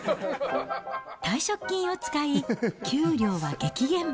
退職金を使い、給料は激減。